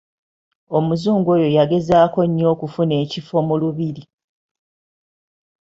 Omuzungu oyo yagezaako nnyo okufuna ekifo mu Lubiri.